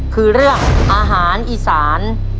คือเรื่องอาหารอีสาน